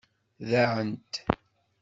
Ḍaɛent.